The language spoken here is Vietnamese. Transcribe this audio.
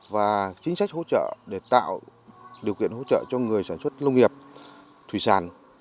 và chính sách hỗ trợ để tạo điều kiện hỗ trợ cho người sản xuất nông nghiệp thủy sản